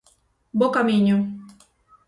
Bo Camiño!